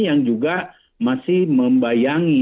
yang juga masih membayangi